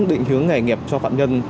định hướng nghề nghiệp cho phạm nhân